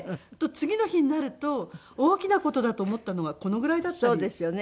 次の日になると大きな事だと思ったのがこのぐらいだったりするんです。